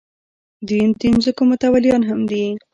دوی د ځمکو متولیان هم دي.